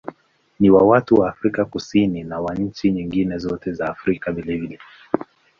Ni wa watu wa Afrika Kusini na wa nchi nyingine zote za Afrika vilevile.